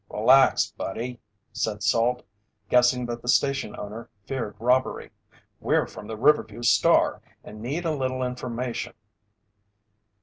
"Relax, buddy," said Salt, guessing that the station owner feared robbery. "We're from the Riverview Star and need a little information."